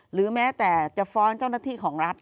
หรือแม้แต่จะฟ้อนเจ้าหน้าที่ของรัฐ